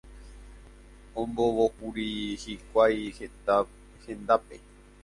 Ombovókuri hikuái heta hendápe.